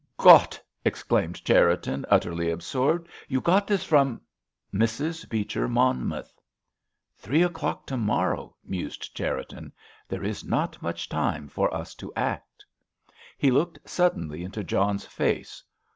"Gott!" exclaimed Cherriton, utterly absorbed. "You got this from——" "Mrs. Beecher Monmouth." "Three o'clock to morrow," mused Cherriton. "There is not much time for us to act!" He looked suddenly into John's face.